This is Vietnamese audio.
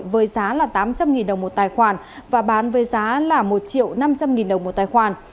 với giá là tám trăm linh đồng một tài khoản và bán với giá là một triệu năm trăm linh nghìn đồng một tài khoản